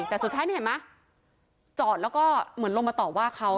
แต่สุดท้ายนี่เห็นไหมจอดแล้วก็เหมือนลงมาตอบว่าเขา